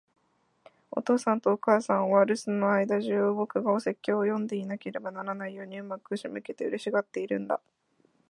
お父さんとお母さんは、留守の間じゅう、僕がお説教を読んでいなければならないように上手く仕向けて、嬉しがっているんだ。